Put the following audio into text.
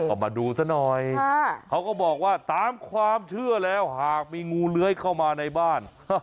ก็มาดูซะหน่อยเขาก็บอกว่าตามความเชื่อแล้วหากมีงูเลื้อยเข้ามาในบ้าน